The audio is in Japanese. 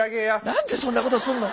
なんでそんなことすんの？